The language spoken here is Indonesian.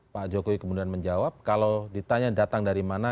pak jokowi kemudian menjawab kalau ditanya datang dari mana